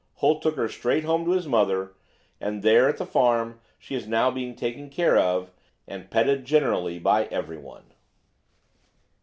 Holt took her straight home to his mother, and there, at the farm, she is now, being taken care of and petted generally by everyone."